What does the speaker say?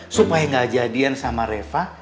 supaya nggak jadian sama reva